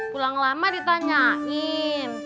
pulang lama ditanyain